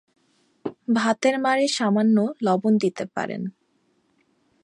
ভাতের মাড়ে সামান্য লবণ দিতে পারেন।